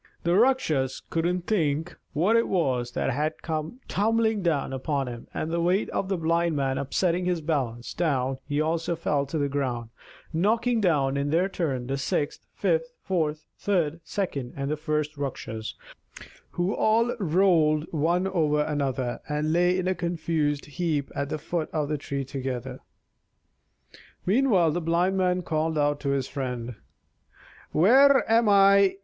The Rakshas couldn't think what it was that had come tumbling down upon him; and the weight of the Blind Man upsetting his balance, down he also fell to the ground, knocking down in their turn the sixth, fifth, fourth, third, second, and first Rakshas, who all rolled one over another, and lay in a confused heap at the foot of the tree together. Meanwhile the Blind Man called out to his friend: "Where am I?